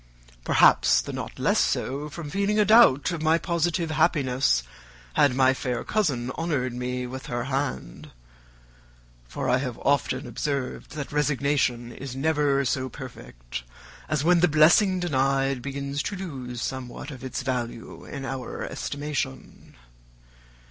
Perhaps not the less so from feeling a doubt of my positive happiness had my fair cousin honoured me with her hand; for I have often observed, that resignation is never so perfect as when the blessing denied begins to lose somewhat of its value in our estimation.